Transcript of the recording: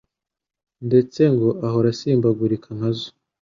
ndetse ngo ahora asimbagurika nkazo.